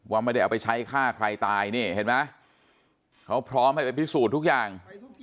ไม่ได้เอาไปใช้ฆ่าใครตายนี่เห็นไหมเขาพร้อมให้ไปพิสูจน์ทุกอย่าง